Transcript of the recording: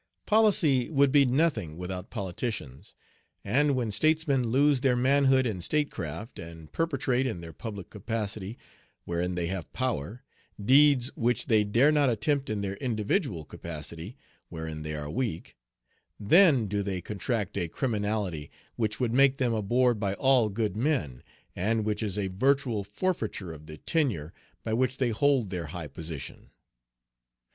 Policy would be nothing without politicians, and when statesmen lose their manhood in statecraft, and perpetrate, in their public capacity, wherein they have power, deeds which they dare not attempt in their individual capacity, wherein they are weak, then do they contract a criminality which should make them abhorred by all good men, and which is a virtual forfeiture of the tenure by which they hold their high position.